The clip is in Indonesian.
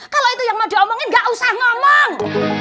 kalau itu yang mau diomongin nggak usah ngomong